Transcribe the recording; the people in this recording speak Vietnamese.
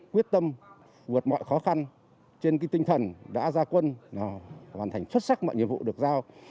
quyết tâm vượt mọi khó khăn trên tinh thần đã ra quân và hoàn thành xuất sắc mọi nhiệm vụ được giao